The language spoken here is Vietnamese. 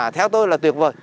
theo tôi là tuyệt vời